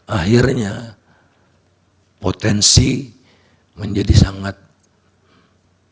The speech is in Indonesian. akhirnya potensi menjadi sangat penting